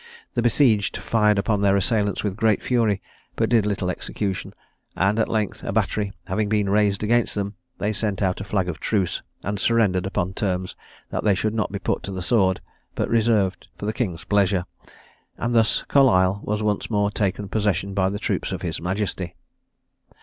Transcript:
The besieged fired upon their assailants with great fury, but did little execution; and at length a battery having been raised against them, they sent out a flag of truce, and surrendered upon terms that they should not be put to the sword, but reserved for the king's pleasure, and thus Carlisle was once more taken possession of by the troops of his majesty.